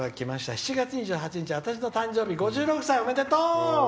７月２８日は私の誕生日５６歳、おめでとう！